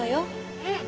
うん！